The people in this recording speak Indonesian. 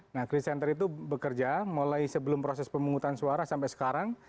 nah krisis center itu bekerja mulai sebelum proses pemungutan suara sampai sekarang